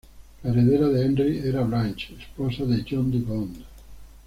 La heredera de Henry era Blanche, esposa de John de Gaunt.